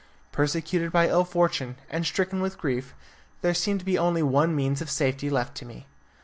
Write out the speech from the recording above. Persecuted by ill fortune, and stricken with grief, there seemed to be only one means of safety left to me.